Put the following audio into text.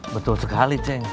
betul sekali ceng